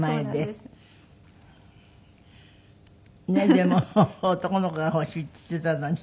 でも男の子が欲しいって言っていたのに。